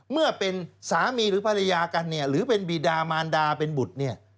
เมื่อเป็นสามีหรือภรรยากันเนี่ยหรือเป็นบีดามารดาเป็นบุตรเนี่ย